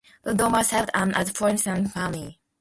Lord Dormer served as an officer in the Austrian Army.